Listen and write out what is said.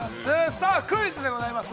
さあクイズでございます。